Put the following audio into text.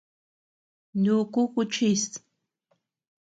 Nuku kuchis.